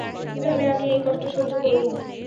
কীভাবে আমি এই কষ্ট সহ্য করব?